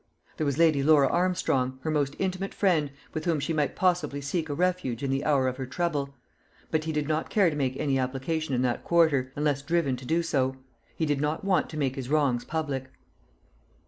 There was Lady Laura Armstrong, her most intimate friend, with whom she might possibly seek a refuge in the hour of her trouble; but he did not care to make any application in that quarter, unless driven to do so. He did not want to make his wrongs public.